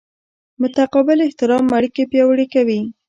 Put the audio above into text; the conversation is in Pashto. متقابل احترام اړیکې پیاوړې کوي.